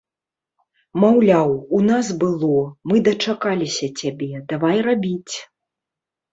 Маўляў, у нас было, мы дачакаліся цябе, давай рабіць.